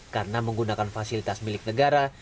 karena menggunakan fasilitas milik negara